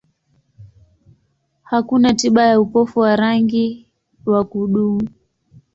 Hakuna tiba ya upofu wa rangi wa kudumu.